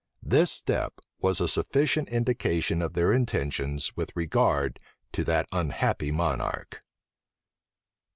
This step was a sufficient indication of their intentions with regard to that unhappy monarch.